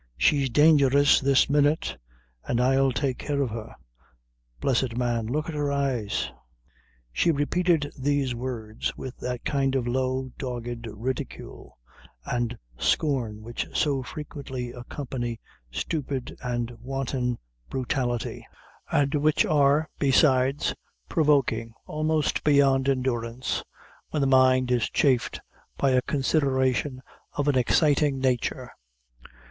She's dangerous this minute, an' I'll take care of her. Blessed man, look at her eyes." She repeated these words with that kind of low, dogged ridicule and scorn which so frequently accompany stupid and wanton brutality; and which are, besides, provoking, almost beyond endurance, when the mind is chafed by a consideration of an exciting nature.